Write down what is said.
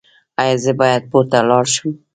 ایا زه باید پورته لاړ شم؟